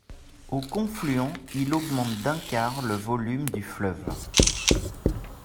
Au confluent, il augmente d'un quart le volume du fleuve.